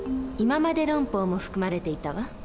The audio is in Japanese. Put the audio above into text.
「いままで論法」も含まれていたわ。